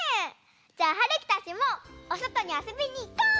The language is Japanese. じゃあはるきたちもおそとにあそびにいこう！